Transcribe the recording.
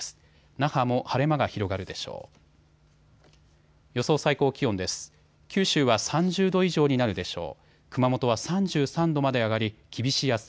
那覇も晴れ間が広がるでしょう。